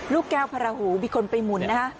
ลูกแก้วพระราหูมีคนไปหมุนนะฮะ